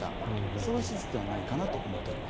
そういう手術ではないかなと思っています。